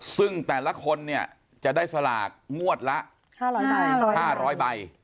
ซึ่งแต่ละคนเนี่ยจะได้สลากงวดละ๕๐๐ใบ